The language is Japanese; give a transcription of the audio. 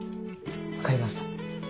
分かりました。